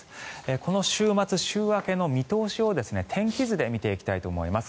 この週末、週明けの見通しを天気図で見ていきたいと思います。